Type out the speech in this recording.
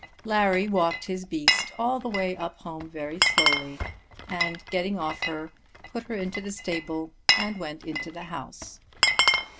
Larry walked his beast all the way up home very slowly, and getting off her, put her into the stable and went into the house.